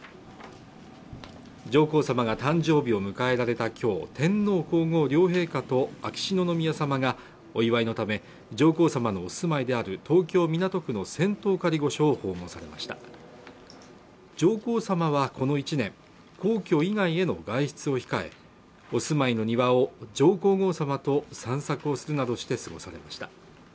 上皇さまが誕生日を迎えられた今日天皇皇后両陛下と秋篠宮さまがお祝いのため上皇さまのお住まいである東京港区の仙洞仮御所を訪問されました上皇さまはこの１年皇居以外への外出を控えお住まいの庭を上皇后さまと散策をするなどして過ごされました